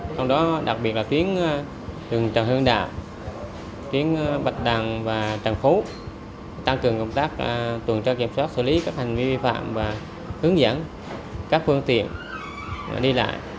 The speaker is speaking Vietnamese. trong đó đặc biệt là tuyến đường trần hương đạo tuyến bạch đằng và tràng phú tăng cường công tác tuần tra kiểm soát xử lý các hành vi vi phạm và hướng dẫn các phương tiện đi lại